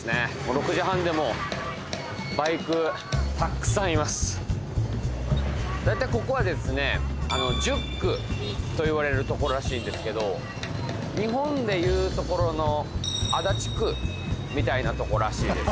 ６時半でも大体ここはですね１０区といわれる所らしいんですけど日本でいうところの足立区みたいなとこらしいです